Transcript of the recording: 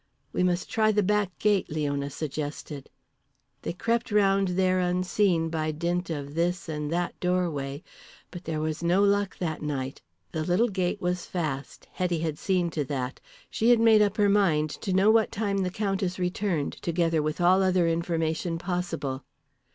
"We must try the back gate," Leona suggested. They crept round there unseen by dint of this and that doorway, but there was no luck that night. The little gate was fast. Hetty had seen to that. She had made up her mind to know what time the Countess returned, together with all other information possible.